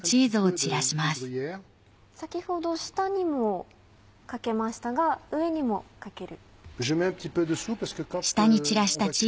先ほど下にもかけましたが上にもかける。